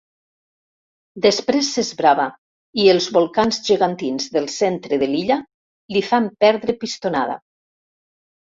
Després s'esbrava i els volcans gegantins del centre de l'illa li fan perdre pistonada.